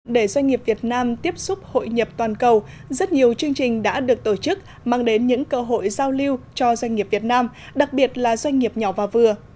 để doanh nghiệp việt nam tiếp xúc hội nhập toàn cầu rất nhiều chương trình đã được tổ chức mang đến những cơ hội giao lưu cho doanh nghiệp việt nam đặc biệt là doanh nghiệp nhỏ và vừa